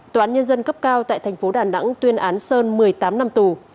tòa án nhân dân cấp cao tại thành phố đà nẵng tuyên án sơn một mươi tám năm tù